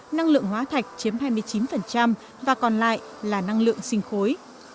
năng lượng hóa thạch chiếm hai mươi chín và còn lại là năng lượng sinh khối